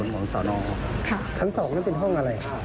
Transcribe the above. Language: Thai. ทั้งสองนั้นเป็นห้องอะไร